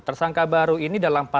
tersangka baru ini dalam hal apa